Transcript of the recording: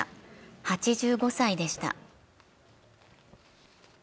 ８５歳でした。